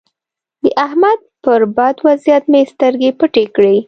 د احمد پر بد وضيعت مې سترګې پټې کړې.